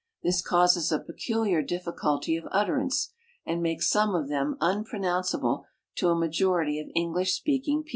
This causes a peculiar difficulty of utterance, and makes some of them unpro nounceable to a majority of English speaking people.